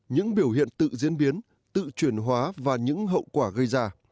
những biểu hiện tự diễn biến tự chuyển hóa và những hậu quả gây ra